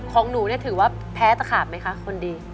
ของหนูเนี่ยถือว่าแพ้ตะขาบไหมคะคนดี